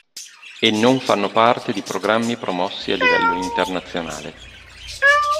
E non fanno parte di programmi promossi a livello internazionale.